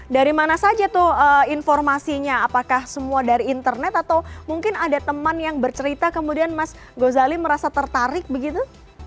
dari mana saja tuh informasinya apakah semua dari internet atau mungkin ada teman yang bercerita kemudian mas ghazali merasa tertarik begitu